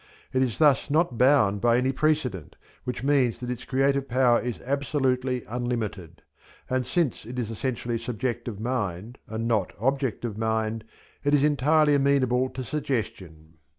It is thus not bound by any precedent, which means that its creative power is absolutely unlimited; and since it is essentially subjective mind, and not objective mind, it is entirely amenable to suggestion.